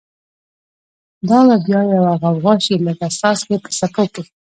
دا به بیا یوه غوغا شی، لکه څاڅکی په څپو کی